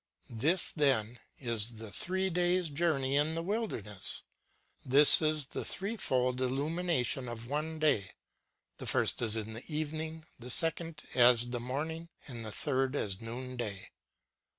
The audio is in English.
This, then, is the three days' journey in the wilderness. This is the threefold illu mination of one day ; the first is as the evening, the second as the morning, and the third as noon day.